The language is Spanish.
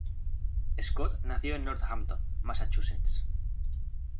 Scott nació en Northampton, Massachusetts.